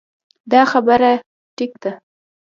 دا خبره ټيک ده -